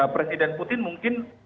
presiden putin mungkin